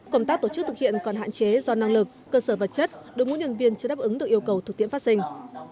cộng tác tổ chức thực hiện còn hạn chế do năng lực cơ sở vật chất đối ngũ nhân viên chưa đáp ứng được yêu cầu thực tiễn phát sinh